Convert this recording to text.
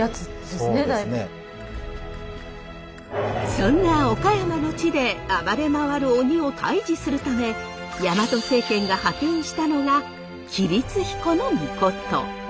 そんな岡山の地で暴れ回る鬼を退治するためヤマト政権が派遣したのが吉備津彦命。